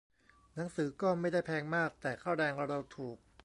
หนังสือก็ไม่ได้แพงมาก แต่ค่าแรงเราถูก